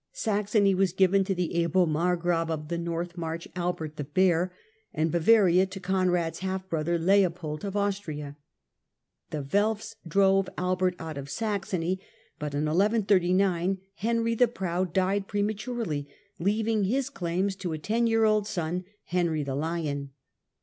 Saxony was given to the able margrave of the North March, Albert the Bear, and Bavaria to Conrad's half brother, Leopold of Austria. The Welfs drove Albert out of Saxony, but in 1139 Henry the Proud died prema turely, leaving his claims to a ten year old son, Henry " the Lion."